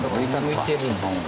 抜いてるんですか？